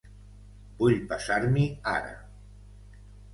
Vull passar-m'hi ara.